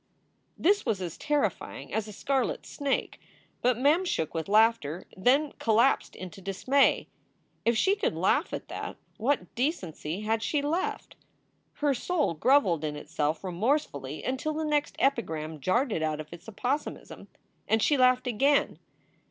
342 SOULS FOR SALE This was as terrifying as a scarlet snake, but Mem shook with laughter, then collapsed into dismay. If she could laugh at that, what decency had she left? Her soul groveled in itself remorsefully until the next epigram jarred it out of its opossumism, and she laughed again.